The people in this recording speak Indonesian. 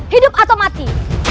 hidup atau mati